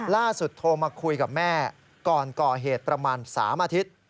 โทรมาคุยกับแม่ก่อนก่อเหตุประมาณ๓อาทิตย์